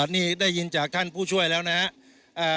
นี่ได้ยินจากท่านผู้ช่วยแล้วนะครับ